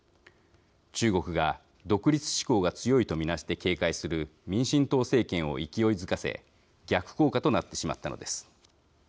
中国が独立志向が強いとみなして警戒する民進党政権を勢いづかせ逆効果となってしまったのです。